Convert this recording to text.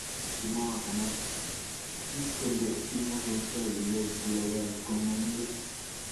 kimwa gavana wycliffe kole kimokosa kiyoo kiyaka komainget